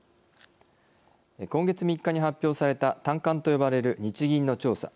今月３日に発表された短観と呼ばれる日銀の調査。